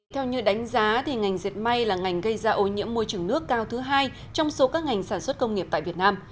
theo như đánh giá ngành diệt may là ngành gây ra ô nhiễm môi trường nước cao thứ hai trong số các ngành sản xuất công nghiệp tại việt nam